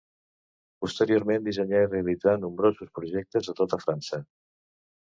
Posteriorment, dissenyà i realitzà nombrosos projectes a tota França.